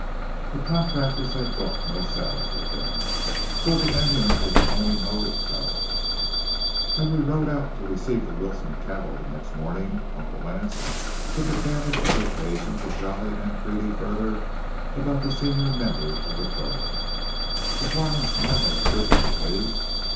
The contractors had brought no saddles with them, so the ambulance was the only mode of travel. As we rode out to receive the Wilson cattle the next morning, Uncle Lance took advantage of the occasion to jolly Nancrede further about the senior member of the firm, the foreman smiling appreciatingly.